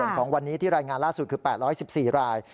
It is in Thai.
ของวันนี้ที่รายงานล่าสุดคือ๘๑๔ราย